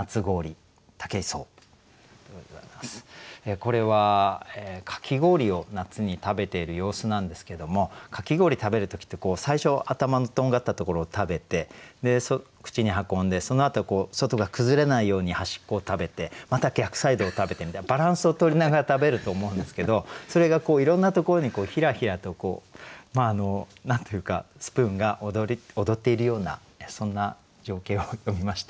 これはかき氷を夏に食べている様子なんですけどもかき氷食べる時って最初頭のとんがったところを食べて口に運んでそのあと外が崩れないように端っこを食べてまた逆サイドを食べてみたいなバランスをとりながら食べると思うんですけどそれがいろんなところにひらひらと何というかスプーンが踊っているようなそんな情景を詠みました。